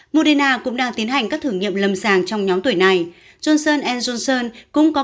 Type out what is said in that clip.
moderna cũng đang tiến hành các thử nghiệm lầm sàng trong nhóm tuổi này johnson johnson cũng có